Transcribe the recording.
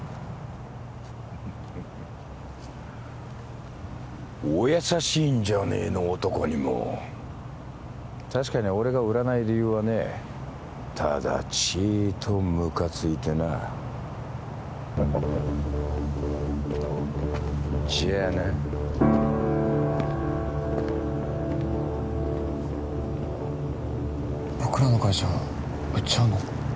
フフフお優しいんじゃねえの男にも確かに俺が売らない理由はねえただちっとムカついてなじゃあな僕らの会社売っちゃうの？